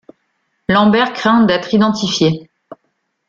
Lambert craint d'être identifié.